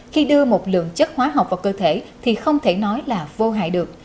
khi đưa một lượng chất hóa học vào cơ thể thì không thể nói là vô hại được